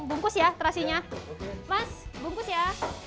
bungkus ya terasinya mas bungkus ya